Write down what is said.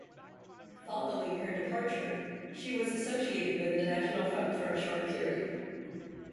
Following her departure, she was associated with the National Front for a short period.